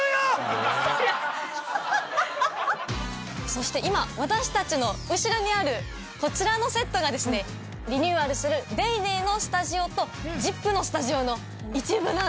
そして今私たちの後ろにあるこちらのセットがですねリニューアルする『ＤａｙＤａｙ．』のスタジオと『ＺＩＰ！』のスタジオの一部なんです。